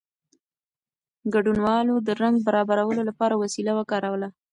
ګډونوالو د رنګ برابرولو لپاره وسیله وکاروله.